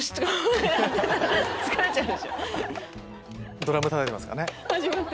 ドラムたたいてますかね